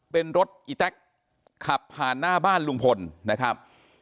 เป็นรถอีแต๊กขับผ่านหน้าบ้านลุงพลนะครับ